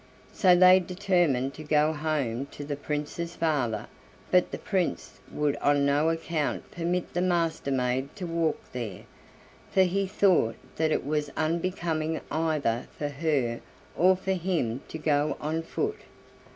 So they determined to go home to the Prince's father, but the Prince would on no account permit the Master maid to walk there, for he thought that it was unbecoming either for her or for him to go on foot.